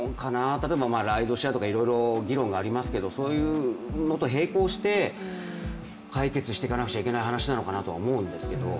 例えばライドシェアとかいろいろありますけれどもそういうのと並行して解決してかなきゃいけない話なのかなと思いますけど。